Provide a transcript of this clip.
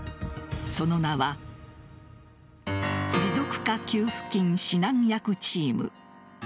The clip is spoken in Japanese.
その名は持続化給付金指南役チーム。